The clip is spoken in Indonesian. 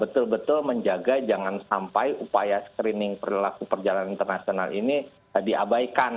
betul betul menjaga jangan sampai upaya screening perilaku perjalanan internasional ini diabaikan